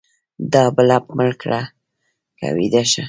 دا بلپ مړ که ويده شه.